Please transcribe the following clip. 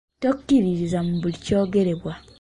Tokkiririza mu buli kyogerebwa.